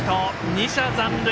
２者残塁。